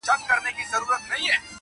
زه لکه سیوری ځمه -